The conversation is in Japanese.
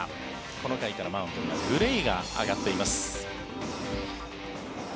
この回からマウンドにはグレイが上がっています。